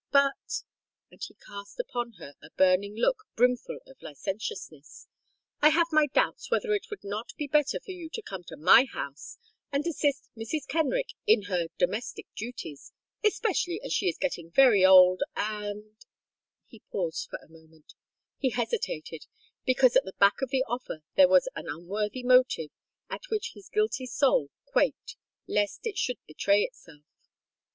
But—" and he cast upon her a burning look brimful of licentiousness—"I have my doubts whether it would not be better for you to come to my house and assist Mrs. Kenrick in her domestic duties—especially as she is getting very old—and——" He paused for a moment:—he hesitated, because at the back of the offer there was an unworthy motive at which his guilty soul quaked, lest it should betray itself.